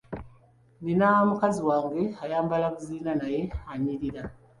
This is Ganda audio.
Nina mukazi wange ayambala buziina naye anyirira.